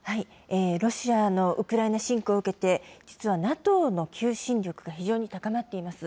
ロシアのウクライナ侵攻を受けて、実はＮＡＴＯの求心力が非常に高まっています。